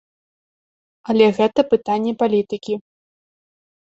Але гэта пытанне палітыкі.